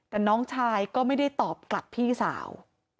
แต่น้องชายก็ไม่ได้ตอบกลับพี่สาว